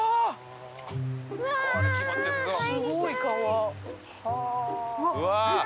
すごい川。